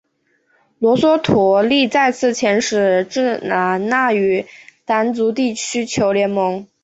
罗娑陀利再次遣使至兰纳与掸族地区寻求联盟。